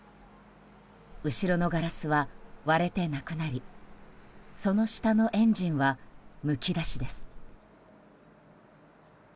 後ろのガラスは割れてなくなりその下のエンジンはむき出しです。